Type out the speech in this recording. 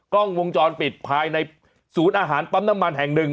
กล้องวงจรปิดภายในศูนย์อาหารปั๊มน้ำมันแห่งหนึ่ง